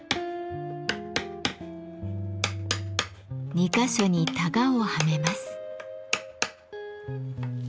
２か所にたがをはめます。